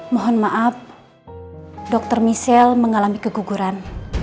mohon maaf dr miesel mengalami keguguran